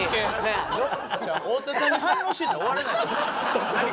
太田さんに反応してたら終われないですよ。